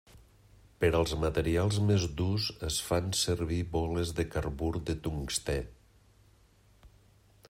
Per als materials més durs es fan servir boles de carbur de tungstè.